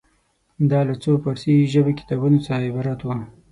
دا له څو فارسي ژبې کتابونو څخه عبارت وه.